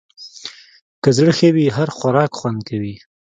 که زړه ښه وي، هر خوراک خوند کوي.